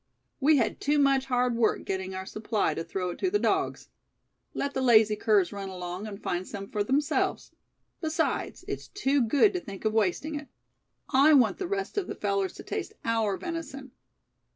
"We had too much hard work getting our supply to throw it to the dogs. Let the lazy curs run along, and find some for themselves. Besides, it's too good to think of wasting it. I want the rest of the fellers to taste our venison.